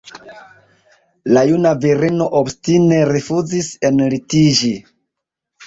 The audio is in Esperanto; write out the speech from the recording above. La juna virino obstine rifuzis enlitiĝi.